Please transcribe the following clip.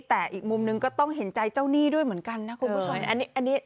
แต่อีกมุมนึงก็ต้องเห็นใจเจ้าหนี้ด้วยเหมือนกันนะคุณผู้ชม